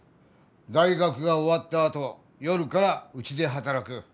大学が終わったあと夜からうちで働く。